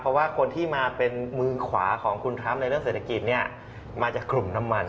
เพราะว่าคนที่มาเป็นมือขวาของคุณทรัมป์ในเรื่องเศรษฐกิจเนี่ยมาจากกลุ่มน้ำมัน